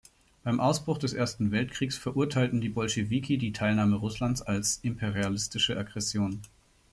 Beim Ausbruch des Ersten Weltkriegs verurteilten die Bolschewiki die Teilnahme Russlands als "imperialistische Aggression".